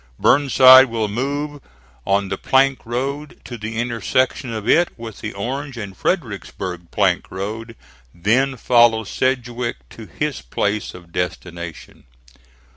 Burnside will move on the plank road to the intersection of it with the Orange and Fredericksburg plank road, then follow Sedgwick to his place of destination.